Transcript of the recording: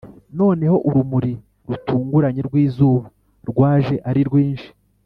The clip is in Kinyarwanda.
noneho urumuri rutunguranye rw'izuba rwaje ari rwinshi